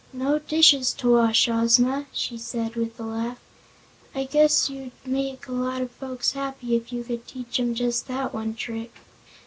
"No dishes to wash, Ozma!" she said with a laugh. "I guess you'd make a lot of folks happy if you could teach 'em just that one trick."